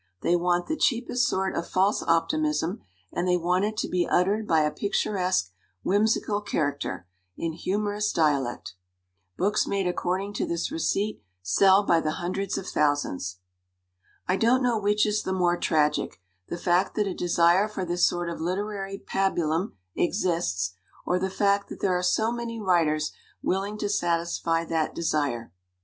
They want the cheapest sort of false optimism, and they want it to be uttered by a picturesque, whimsical character, in humorous dialect. Books made according to this receipt sell by the hundreds of thousands. "I don't know which is the more tragic, the fact that a desire for this sort of literary pabulum exists, or the fact that there are so many writers willing to satisfy that desire.